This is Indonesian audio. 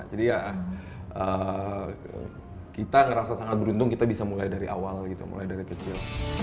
ya kita ngerasa sangat beruntung kita bisa mulai dari awal gitu mulai dari kecil